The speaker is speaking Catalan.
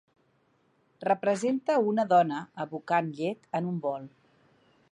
Representa una dona abocant llet en un bol.